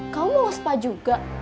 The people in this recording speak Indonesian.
kamu mau spa juga